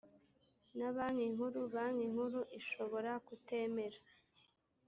na banki nkuru banki nkuru ishobora kutemera